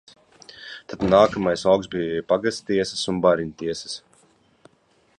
Tad nākamais lauks bija pagasttiesas un bāriņtiesas.